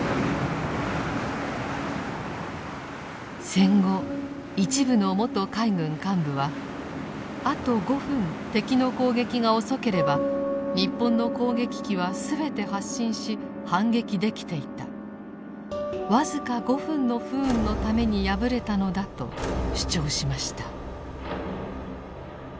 戦後一部の元海軍幹部はあと５分敵の攻撃が遅ければ日本の攻撃機は全て発進し反撃できていたわずか５分の不運のために敗れたのだと主張しました。